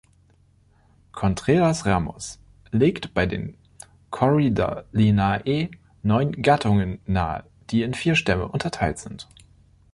Contreras-Ramos legt bei den Corydalinae neun Gattungen nahe, die in vier Stämme unterteilt sind.